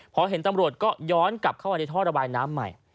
พอเห็นตำรวจก็ย้อนกลับเข้ามาในท่อระบายน้ำใหม่